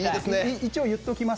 一応言っておきます。